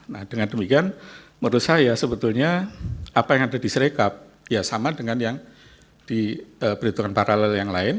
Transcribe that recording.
nah dengan demikian menurut saya sebetulnya apa yang ada di serekap ya sama dengan yang diperhitungkan paralel yang lain